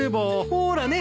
ほらね。